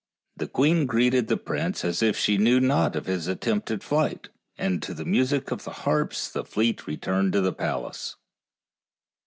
The queen greeted the prince as if she knew not of his at tempted flight, and to the music of the harps the fleet returned to the palace.